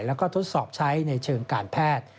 แล้วก็ทดสอบใช้ในเชิงการแพทย์